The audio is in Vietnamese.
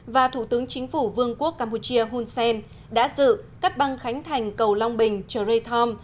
và thủ tướng chính phủ vương quốc campuchia hun sen đã dự cắt băng khánh thành cầu long bình trờ reham